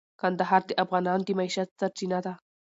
کندهار د افغانانو د معیشت سرچینه ده.